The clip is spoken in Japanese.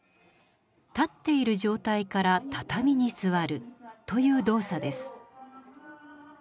立っている状態から畳に座るという動作です。